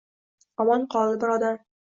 Omon qoldi bir odam.